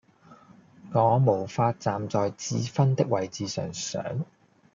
我沒法站在智勳的位置上想